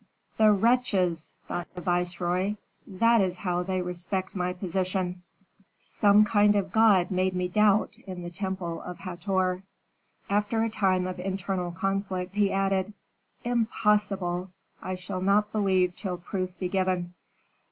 "The wretches!" thought the viceroy. "That is how they respect my position! Some kind god made me doubt in the temple of Hator." After a time of internal conflict he added, "Impossible! I shall not believe till proof be given."